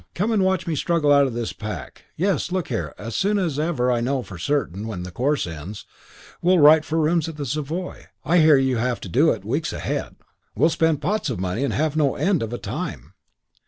Come and watch me struggle out of this pack. Yes, look here, as soon as ever I know for certain when the course ends we'll write for rooms at the Savoy. I hear you have to do it weeks ahead. We'll spend pots of money and have no end of a time."